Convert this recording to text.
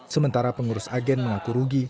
sementara pengurus agen mengaku rugi